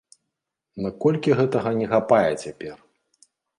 Наколькі гэтага не хапае цяпер?